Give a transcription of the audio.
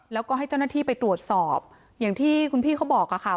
แล้วก็ให้เจ้าหน้าที่ไปตรวจสอบอย่างที่คุณพี่เขาบอกอะค่ะ